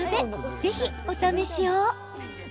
ぜひ、お試しを。